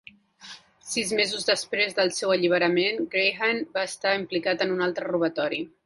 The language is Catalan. Sis mesos després del seu alliberament, Grahan va estar implicat en un altre robatori.